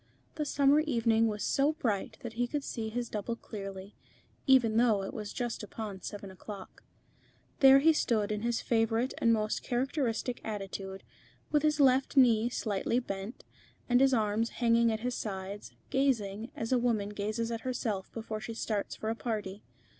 The summer evening was so bright that he could see his double clearly, even though it was just upon seven o'clock. There he stood in his favourite and most characteristic attitude, with his left knee slightly bent, and his arms hanging at his sides, gazing, as a woman gazes at herself before she starts for a party.